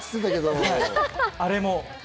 あれも？